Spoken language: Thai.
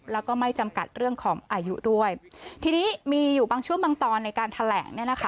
แล้วก็ไม่จำกัดเรื่องของอายุด้วยทีนี้มีอยู่บางช่วงบางตอนในการแถลงเนี่ยนะคะ